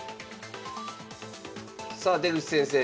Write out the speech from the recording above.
さあ出口先生